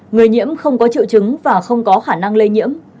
người nhiễm không có triệu chứng và không có khả năng lây nhiễm